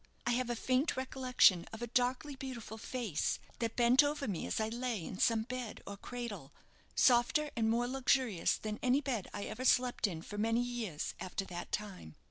I have a faint recollection of a darkly beautiful face, that bent over me as I lay in some bed or cradle, softer and more luxurious than any bed I ever slept in for many years after that time.